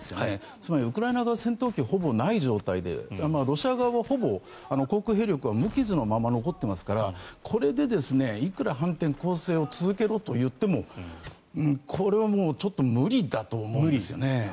つまり、ウクライナ側はほぼ戦闘機がない状態でロシア側はほぼ航空兵力は無傷のまま残ってますからこれでいくら反転攻勢を続けろといってもこれはちょっと無理だと思うんですよね。